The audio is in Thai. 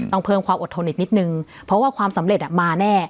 ต้องเพิ่มความอดทนอีกนิดนึงเพราะว่าความสำเร็จมาแน่